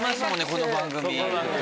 この番組。